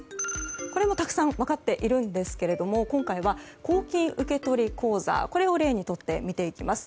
これもたくさん分かっているんですが今回は、公金受取口座を例にとって見ていきます。